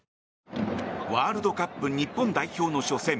ワールドカップ日本代表の初戦。